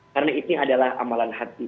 karena ini adalah amalan hati